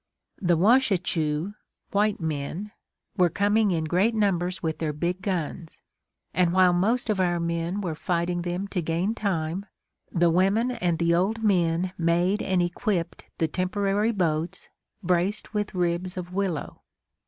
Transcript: The Washechu (white men) were coming in great numbers with their big guns, and while most of our men were fighting them to gain time, the women and the old men made and equipped the temporary boats, braced with ribs of willow.